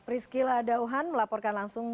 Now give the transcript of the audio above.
prisky ladauhan melaporkan langsung